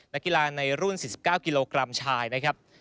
นักกีฬาในรุ่น๔๙กิโลกรัมชายนะครับ